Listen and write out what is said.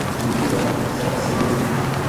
Bù yikoba saka sĩire.